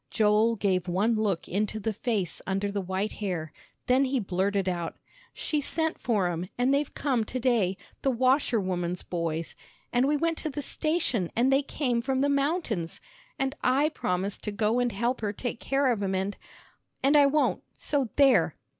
Joel gave one look into the face under the white hair, then he blurted out, "She sent for 'em, and they've come to day the washerwoman's boys. And we went to the station, and they came from the mountains. And I promised to go and help her take care of 'em, and, and I won't, so there!"